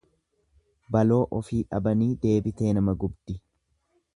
Baloo ofii dhaabanii deebitee nama gubdi.